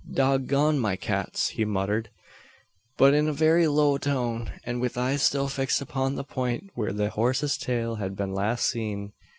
"Dog gone my cats!" he muttered, but in a very low tone, and with eyes still fixed upon the point where the horse's tail had been last seen.